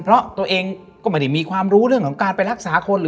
เพราะตัวเองก็ไม่ได้มีความรู้เรื่องของการไปรักษาคนหรือ